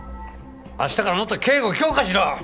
明日からもっと警護を強化しろ。